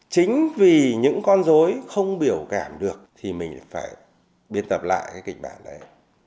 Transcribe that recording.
chính vì những con dối không biểu cảm được thì mình phải biên tập lại cái kịch bản này